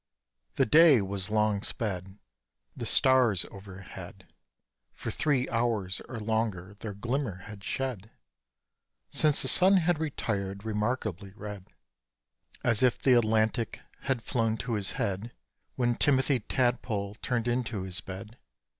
The day was long sped, The stars overhead For three hours or longer their glimmer had shed, Since the sun had retired remarkably red, As if the Atlantic had flown to his head, When Timothy Tadpole turned into his bed.